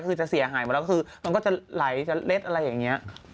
ก็จะเสียหายมาแล้วก็จะไหลจะเล็ดอะไรอย่างนี้